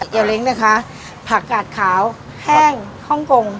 เลเล้งนะคะผักกาดขาวแห้งฮ่องกง